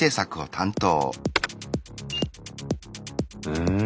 うん。